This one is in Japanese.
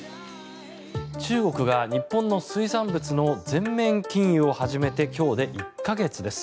中国が日本の水産物の全面禁輸を始めて今日で１か月です。